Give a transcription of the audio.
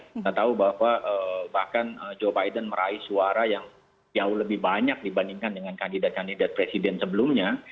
kita tahu bahwa bahkan joe biden meraih suara yang jauh lebih banyak dibandingkan dengan kandidat kandidat presiden sebelumnya